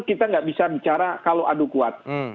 kita nggak bisa bicara kalau adu kuat